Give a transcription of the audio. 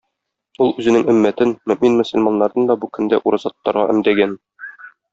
Ул үзенең өммәтен, мөэмин-мөселманнарны да бу көндә ураза тотарга өндәгән.